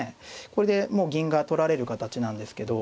これでもう銀が取られる形なんですけど。